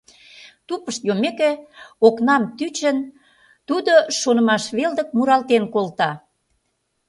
Тупышт йоммеке, окнам тӱчын, тудо шонымаш велдык муралтен колта.